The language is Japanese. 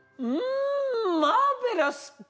んマーベラス！